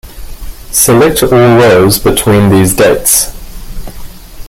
Select all rows between these dates.